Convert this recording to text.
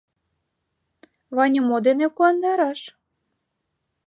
Ваням мо дене куандараш?